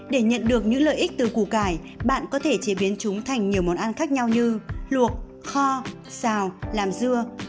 để nhận được những lợi ích từ củ cải bạn có thể chế biến chúng thành nhiều món ăn khác nhau như luộc kho xào làm dưa